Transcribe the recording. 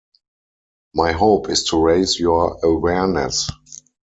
My hope is to raise your awareness.